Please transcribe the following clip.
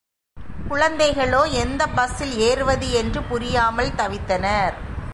குழந்தைகளோ எந்தப் பஸ்ஸில் ஏறுவது என்று புரியாமல் தவித்தனர்.